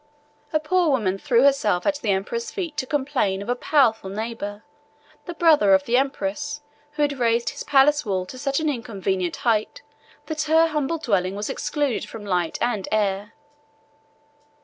A poor woman threw herself at the emperor's feet to complain of a powerful neighbor, the brother of the empress, who had raised his palace wall to such an inconvenient height, that her humble dwelling was excluded from light and air!